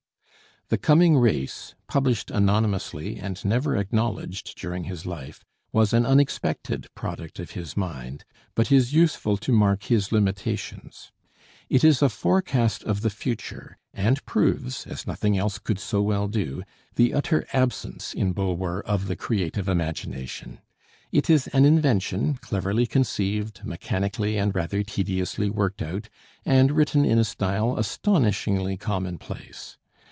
'The Coming Race,' published anonymously and never acknowledged during his life, was an unexpected product of his mind, but is useful to mark his limitations. It is a forecast of the future, and proves, as nothing else could so well do, the utter absence in Bulwer of the creative imagination. It is an invention, cleverly conceived, mechanically and rather tediously worked out, and written in a style astonishingly commonplace.